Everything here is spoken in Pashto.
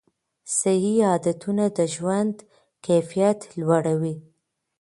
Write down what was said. صحي عادتونه د ژوند کیفیت لوړوي.